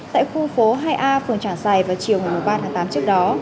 tại khu phố hai a phường trảng giải vào chiều một mươi ba tám trước đó